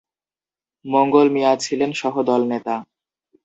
মঙ্গল মিয়া ছিলেন সহদলনেতা।